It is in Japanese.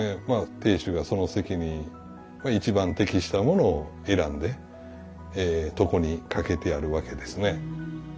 まあ亭主がその席に一番適したものを選んで床にかけてあるわけですね。